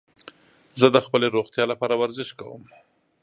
زه د خپلې روغتیا لپاره ورزش کوم.